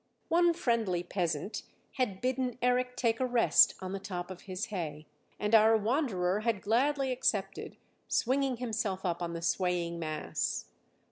One friendly peasant had bidden Eric take a rest on the top of his hay, and our wanderer had gladly accepted, swinging himself up on the swaying mass.